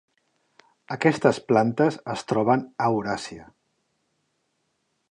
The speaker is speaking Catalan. Aquestes plantes es troben a Euràsia.